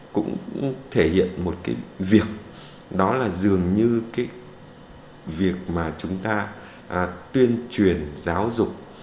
cũng thể hiện một cái việc đó là dường như cái việc mà chúng ta tuyên truyền giáo dục